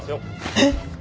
えっ！？